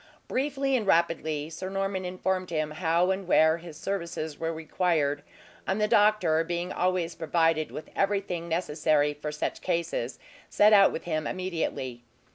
Briefly and rapidly Sir Norman informed him how and where his services were required; and the doctor being always provided with everything necessary for such cases, set out with him immediately.